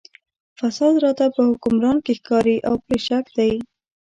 فساد راته په حکمران کې ښکاري او پرې شک دی.